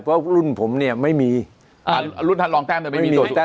เพราะรุ่นผมเนี่ยไม่มีอ่ารุ่นทันลองแจ้งแต่ไม่มีไม่มีแต่